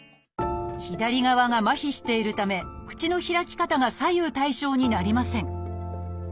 左側が麻痺しているため口の開き方が左右対称になりません。